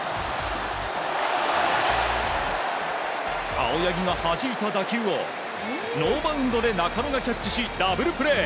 青柳がはじいた打球をノーバウンドで中野がキャッチしダブルプレー！